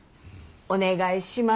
お願いします。